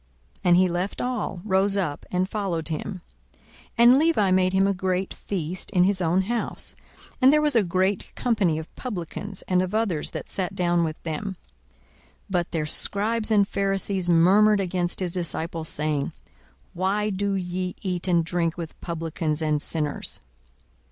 42:005:028 And he left all, rose up, and followed him. 42:005:029 And Levi made him a great feast in his own house: and there was a great company of publicans and of others that sat down with them. 42:005:030 But their scribes and Pharisees murmured against his disciples, saying, Why do ye eat and drink with publicans and sinners?